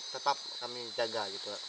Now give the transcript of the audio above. tetap kami jaga gitu